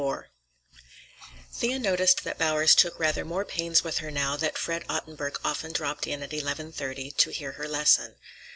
IV Thea noticed that Bowers took rather more pains with her now that Fred Ottenburg often dropped in at eleven thirty to hear her lesson.